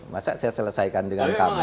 masa saya selesaikan dengan kami